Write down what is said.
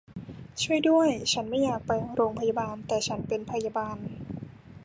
ช่วยด้วย ฉันไม่อยากไปโรงพยาบาล แต่ฉันเป็นพยาบาล